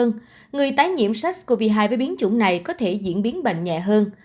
nhưng người tái nhiễm sars cov hai với biến chủng này có thể diễn biến bệnh nhẹ hơn